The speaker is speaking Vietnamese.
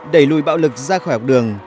đẩy lùi bạo lực ra khỏi học đường